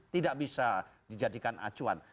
tidak bisa dijadikan acuan